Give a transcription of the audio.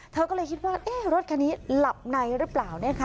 เธอก็เลยคิดว่ารถคันนี้หลับในหรือเปล่านะคะ